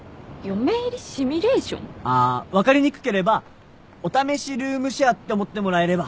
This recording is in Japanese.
あ分かりにくければお試しルームシェアって思ってもらえれば。